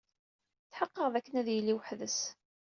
Tḥeqqeɣ dakken ad yili weḥd-s.